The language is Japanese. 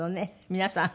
皆さん